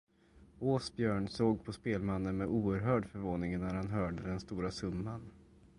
Åsbjörn såg på spelmannen med oerhörd förvåning, när han hörde den stora summan.